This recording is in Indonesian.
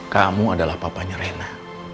kamu adalah papanya rena